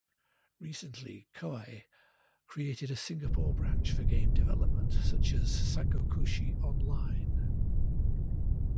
Recently, Koei created a Singapore branch for game development such as "Sangokushi Online".